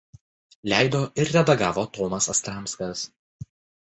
Leido ir redagavo Tomas Astramskas.